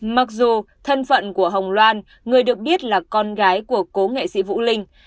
mặc dù thân phận của hồng loan người được biết là con gái của cố nghệ sĩ vũ linh